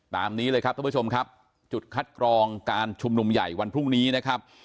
นี้เลยครับท่านผู้ชมครับจุดคัดกรองการชุมนุมใหญ่วันพรุ่งนี้นะครับ